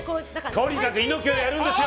とにかく猪木をやるんですよ！